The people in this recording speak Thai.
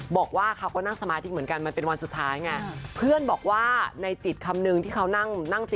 บอกว่าทำงานนั่งสมาธิเหมือนกันวันเป็นวันสุดท้ายไง